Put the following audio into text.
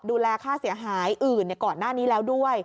ดูแลค่าเสียหายอื่นก่อนหน้านี้แล้วด้วย